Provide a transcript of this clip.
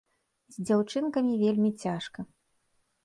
З дзяўчынкамі вельмі цяжка.